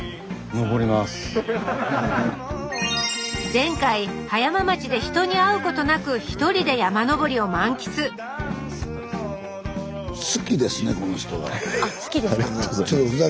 前回葉山町で人に会うことなく一人で山登りを満喫あ好きですか。